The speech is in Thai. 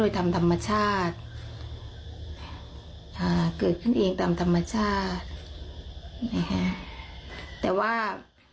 แต่ว่า